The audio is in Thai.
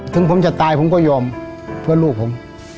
ถึงผมจะตายผมก็ยอมเพื่อลูกผม